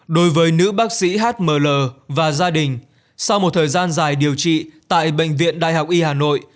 đối với nữ bác sĩ hml và gia đình sau một thời gian dài điều trị tại bệnh viện đại học y hà nội